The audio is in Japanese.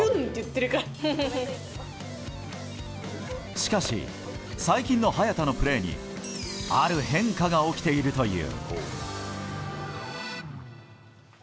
しかし、最近の早田のプレーにある変化が起きているという。